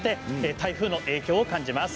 台風の影響を感じます。